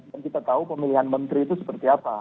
dan kita tahu pemilihan menteri itu seperti apa